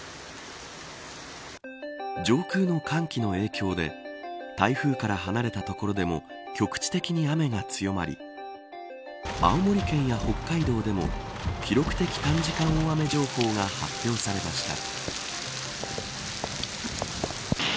上空の寒気の影響で台風から離れたところでも局地的に雨が強まり青森県や北海道でも記録的短時間大雨情報が発表されました。